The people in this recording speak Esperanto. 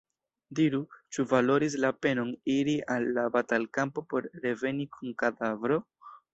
Diru, ĉu valoris la penon iri al la batalkampo por reveni kun kadavro?”